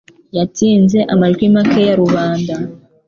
Yatsinze amajwi make ya rubanda.